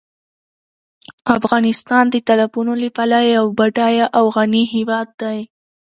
افغانستان د تالابونو له پلوه یو بډایه او غني هېواد دی.